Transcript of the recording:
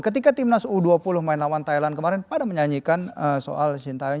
ketika timnas u dua puluh main lawan thailand kemarin pada menyanyikan soal sintayong